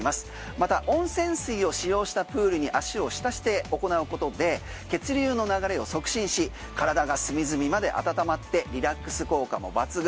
また温泉水を使用したプールに足をひたして行うことで血流の流れを促進し体が隅々まで温まってリラックス効果も抜群。